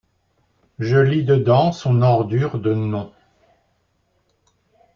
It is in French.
Je lis dedans son ordure de nom.